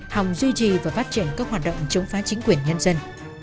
hòng duy trì và phát triển các hoạt động chống phá chính quyền nhân dân